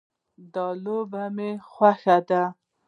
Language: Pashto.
دا لوبه مې خوښه ده